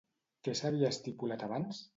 Què s'havia estipulat abans?